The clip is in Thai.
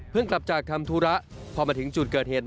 กลับจากทำธุระพอมาถึงจุดเกิดเหตุ